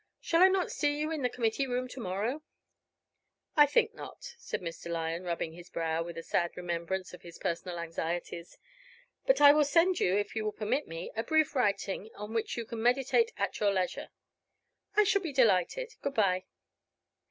Shall I not see you in the committee room to morrow?" "I think not," said Mr. Lyon, rubbing his brow, with a sad remembrance of his personal anxieties. "But I will send you, if you will permit me, a brief writing, on which you can meditate at your leisure." "I shall be delighted. Good bye."